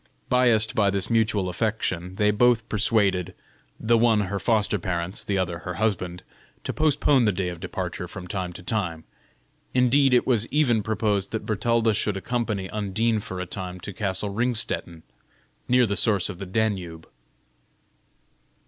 Biassed by this mutual affection, they both persuaded the one her foster parents, the other her husband to postpone the day of departure from time to time; indeed, it was even proposed that Bertalda should accompany Undine for a time to castle Ringstetten, near the source of the Danube.